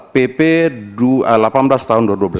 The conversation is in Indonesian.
pp delapan belas tahun dua ribu dua belas